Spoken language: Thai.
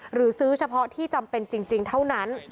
หรือซื้อเฉพาะที่จำเป็นจริงเท่านั้น